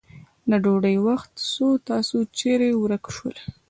د ډوډی وخت سو تاسو چیري ورک سولې.